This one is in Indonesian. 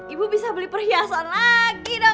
ibu bisa beli perhiasan lagi dong